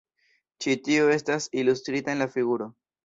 Ĉi tiu estas ilustrita en la figuro.